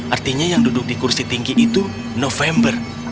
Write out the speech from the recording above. artinya yang duduk di kursi tinggi itu november